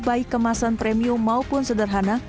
baik kemasan premium maupun sederhana